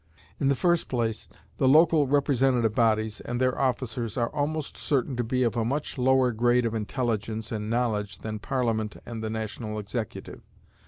In the first place, the local representative bodies and their officers are almost certain to be of a much lower grade of intelligence and knowledge than Parliament and the national executive.